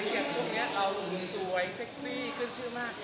อย่างช่วงนี้เราหุ่นสวยเซ็กซี่ขึ้นชื่อมาก